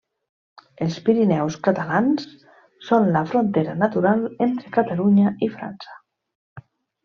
Els Pirineus Catalans són la frontera natural entre Catalunya i França.